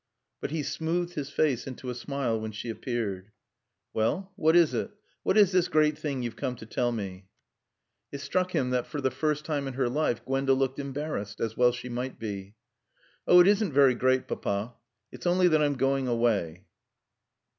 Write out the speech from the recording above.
But he smoothed his face into a smile when she appeared. "Well, what is it? What is this great thing you've come to tell me?" It struck him that for the first time in her life Gwenda looked embarrassed; as well she might be. "Oh it isn't very great, Papa. It's only that I'm going away."